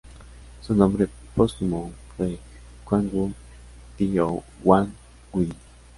Su nombre póstumo fue Kuang-wu ti o Guang Wu Di.